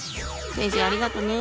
先生ありがとね。